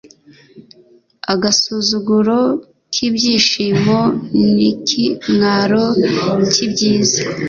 Agasuzuguro k'ibyishimo n'ikimwaro cy'ibyiza